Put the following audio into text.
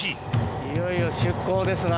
いよいよ出港ですな。